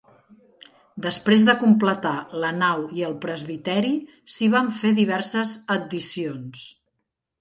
Després de completar la nau i el presbiteri, s'hi van fer diverses addicions.